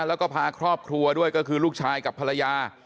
แล้วก็พาครอบครัวด้วยก็คือลูกชายกับภรรยา